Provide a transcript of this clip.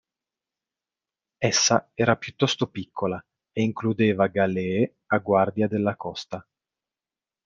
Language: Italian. Essa era piuttosto piccola e includeva galee a guardia della costa.